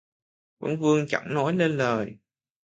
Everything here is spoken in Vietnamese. Vấn vương chẳng nói nên lời